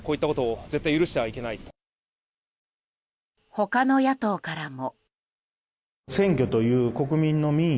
他の野党からも。